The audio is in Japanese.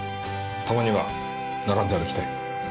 たまには並んで歩きたい。